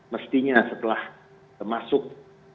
mestinya setelah masuk di periode